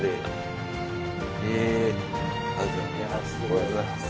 ありがとうございます。